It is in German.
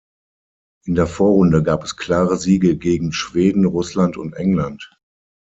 In der Vorrunde gab es klare Siege gegen Schweden, Russland und England.